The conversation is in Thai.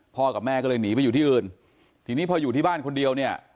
กับแม่ก็เลยหนีไปอยู่ที่อื่นทีนี้พออยู่ที่บ้านคนเดียวเนี่ย